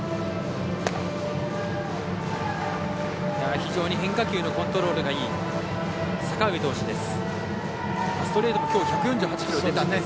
非常に変化球のコントロールがいい阪上投手です。